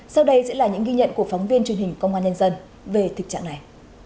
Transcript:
sau đây sẽ là những ghi nhận của phóng viên truyền hình công an nhân dân về thực trạng này